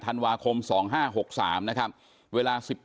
ธันวาคม๒๕๖๓นะครับเวลา๑๘